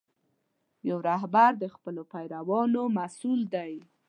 یو رهبر د خپلو پیروانو مسؤل دی.